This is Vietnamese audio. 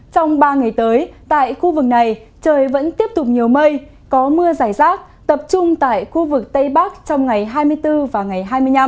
trong ba ngày tới tại khu vực này trời vẫn tiếp tục nhiều mây có mưa giải rác tập trung tại khu vực tây bắc trong ngày hai mươi bốn và ngày hai mươi năm